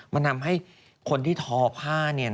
มันทำให้คนที่ทอผ้า